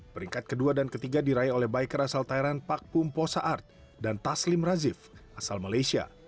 peringkat kedua dan ketiga diraih oleh biker asal thailand pakum posa art dan taslim razif asal malaysia